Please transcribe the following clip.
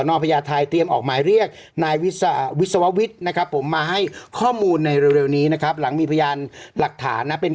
นะคะผมมาไห้ข้อมูลในเร็วเร็วนี้นะครับหลังมีพยานหลักฐานนะเป็น